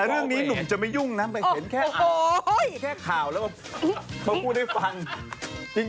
แต่เรื่องนี้หนุ่มจะไม่ยุ่งนะไม่เห็นแค่ข่าวแล้วมาพูดให้ฟัง